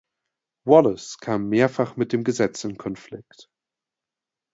Wallace kam mehrfach mit dem Gesetz in Konflikt.